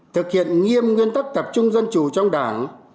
thực hiện nghiêm nguyên tắc tập trung dân chủ trong đảng